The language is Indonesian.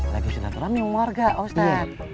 lagi sedang terang nih sama warga ustadz